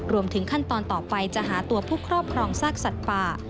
รวมถึงขั้นตอนต่อไปจะหาตัวผู้ครอบครองซากสัตว์ป่า